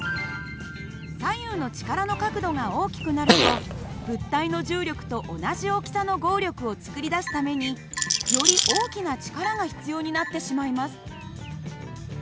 左右の力の角度が大きくなると物体の重力と同じ大きさの合力を作り出すためにより大きな力が必要になってしまいます。